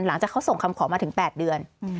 หลังจากเขาส่งคำขอมาถึง๘เดือน